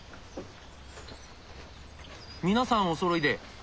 皆さんおそろいで。